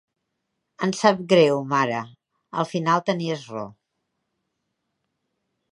Em sap greu, mare, al final tenies raó.